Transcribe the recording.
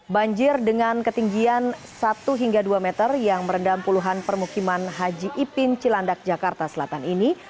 banjir dengan ketinggian satu hingga dua meter yang merendam puluhan permukiman haji ipin cilandak jakarta selatan ini